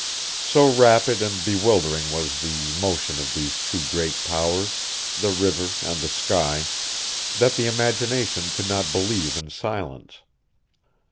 So rapid and bewildering was the motion of these two great powers the river and the sky that the imagination could not believe in silence.